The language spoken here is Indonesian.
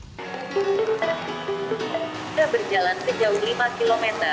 sudah berjalan sejauh lima km